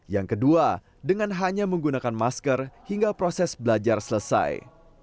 yang kedua dengan hanya menggunakan masker hingga proses belajar selesai